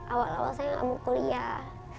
awal awal saya nggak mau kuliah